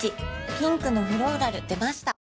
ピンクのフローラル出ました